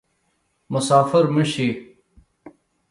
مسافر مه شي